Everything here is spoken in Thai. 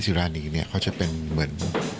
รานีเนี่ยเขาจะเป็นเหมือน